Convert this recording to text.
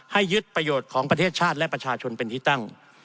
ยึดประโยชน์ของประเทศชาติและประชาชนเป็นที่ตั้ง